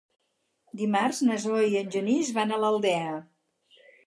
Dimarts na Zoè i en Genís van a l'Aldea.